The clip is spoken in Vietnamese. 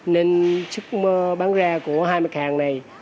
nên sức bán ra của hai mạch hàng này